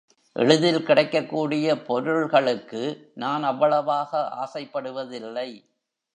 எளிதில் கிடைக்கக்கூடிய பொருள்களுக்கு நான் அவ்வளாக ஆசைப்படுவதில்லை.